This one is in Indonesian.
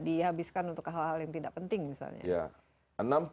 dihabiskan untuk hal hal yang tidak penting misalnya